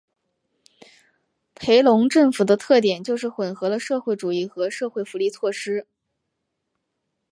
裴隆政府的特点就是混合了社团主义和社会福利措施。